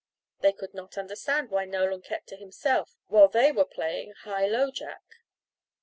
They could not understand why Nolan kept by himself while they were playing high low jack.